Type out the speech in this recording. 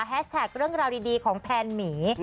แท็กเรื่องราวดีของแพนหมี